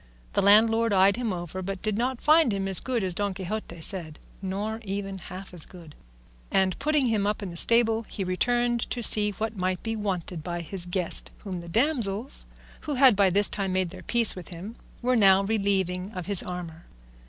The landlord eyed him over but did not find him as good as Don Quixote said, nor even half as good; and putting him up in the stable, he returned to see what might be wanted by his guest, whom the damsels, who had by this time made their peace with him, were now relieving of his armour.